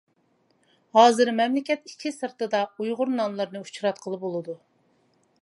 ھازىر مەملىكەت ئىچى سىرتىدا ئۇيغۇر نانلىرىنى ئۇچراتقىلى بولىدۇ.